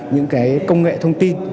những cái công nghệ thông tin